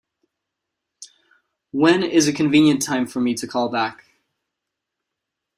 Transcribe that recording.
When is a convenient time for me to call back?